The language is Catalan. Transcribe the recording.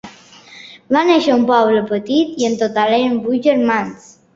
Va néixer en un poble petit i en total eren vuit germans.